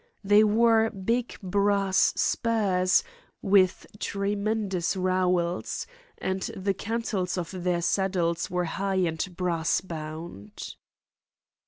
They wore big brass spurs with tremendous rowels, and the cantles of their saddles were high and brass bound.